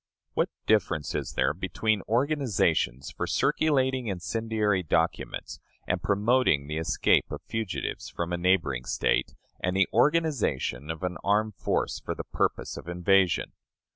What difference is there between organizations for circulating incendiary documents and promoting the escape of fugitives from a neighboring State and the organization of an armed force for the purpose of invasion?